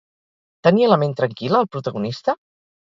Tenia la ment tranquil·la el protagonista?